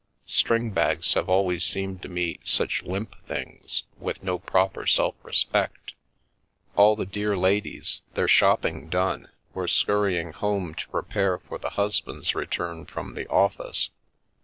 String bags have always seemed to me such limp things, with no proper self respect. All the dear ladies, their shopping done, were scurrying home to prepare for the husband's return from ' the office.'